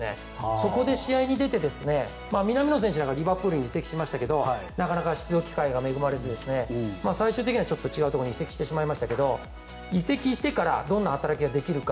そこで試合に出て南野選手なんかはリバプールに移籍しましたがなかなか出場機会に恵まれず最終的には違うところに移籍してしまいましたが移籍してからどんな働きができるか。